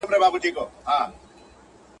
چوروندک ته هره ورځ راتلل عرضونه!